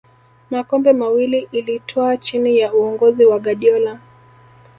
makombe mawili ilitwaa chini ya uongozi wa guardiola